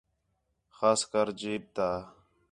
خاص کر جیپ تا